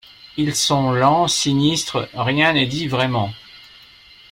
Ils sont lents, sinistres, rien n’est dit vraiment.